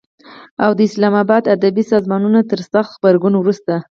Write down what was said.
او د اسلام آباد ادبي سازمانونو تر سخت غبرګون وروسته